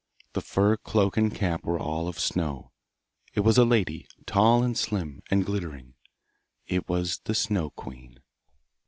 The fur cloak and cap were all of snow. It was a lady, tall and slim, and glittering. It was the Snow queen.